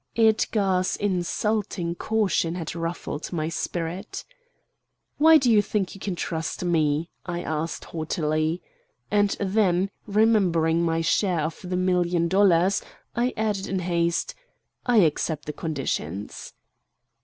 Edgar's insulting caution had ruffled my spirit. "Why do you think you can trust ME?" I asked haughtily. And then, remembering my share of the million dollars, I added in haste, "I accept the conditions."